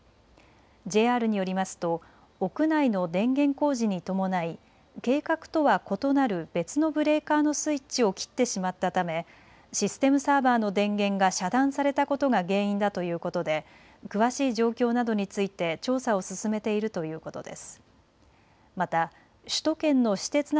ＪＲによりますと屋内の電源工事に伴い計画とは異なる別のブレーカーのスイッチを切ってしまったためシステムサーバーの電源が遮断されたことが原因だということで詳しい状況などについて調査を進めているということです。